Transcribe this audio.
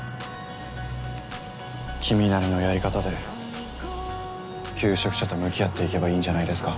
君なりのやり方で求職者と向き合っていけばいいんじゃないですか？